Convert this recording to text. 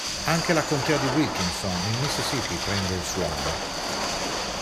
Anche la contea di Wilkinson in Mississippi prende il suo nome.